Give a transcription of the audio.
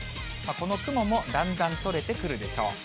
この雲もだんだん取れてくるでしょう。